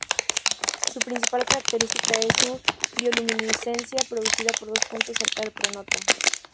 Su principal característica es su bioluminiscencia producida por dos puntos cerca del pronoto.